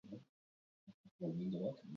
Denetarik egiten dute eta dena ondo.